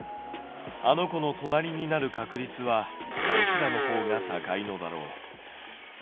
あの子の隣になる確率はどちらの方が高いのだろう？